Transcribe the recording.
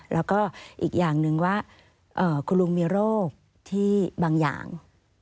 แล้วก็อีกอย่างหนึ่งว่าคุณลุงมีโรคที่บางอย่าง